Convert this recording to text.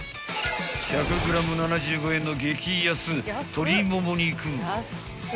［１００ｇ７５円の激安鶏モモ肉］